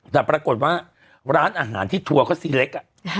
แต่ปรากฏว่าร้านอาหารที่ทัวร์เขาซีเล็ก